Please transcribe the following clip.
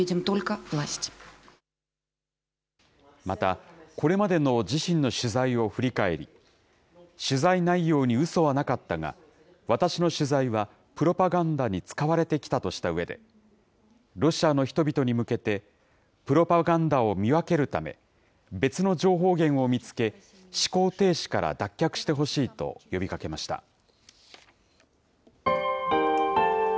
また、これまでの自身の取材を振り返り、取材内容にうそはなかったが、私の取材は、プロパガンダに使われてきたとしたうえで、ロシアの人々に向けて、プロパガンダを見分けるため、別の情報源を見つけ、思考停止から脱却してほしいと呼びかけました。